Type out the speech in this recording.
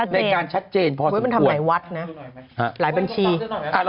ในการชัดเจนพอสมควร